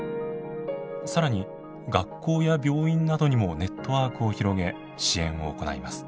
更に学校や病院などにもネットワークを広げ支援を行います。